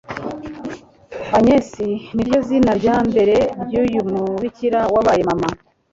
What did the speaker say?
Agnes niryo zina ryambere ryuyu mubikira wabaye Mama